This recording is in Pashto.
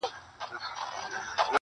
• چا د غرونو چا د ښار خواته ځغستله -